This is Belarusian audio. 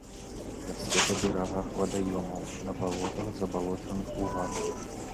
Расце па берагах вадаёмаў, на балотах, забалочаных лугах.